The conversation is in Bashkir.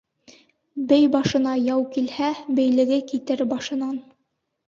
Бей башына яу килһә, бейлеге китер башынан.